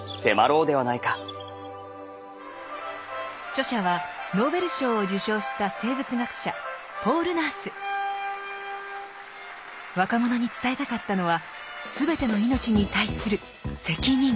著者はノーベル賞を受賞した生物学者若者に伝えたかったのはすべての命に対する「責任」。